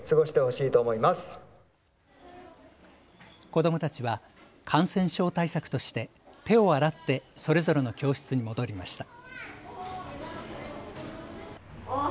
子どもたちは感染症対策として手を洗ってそれぞれの教室に戻りました。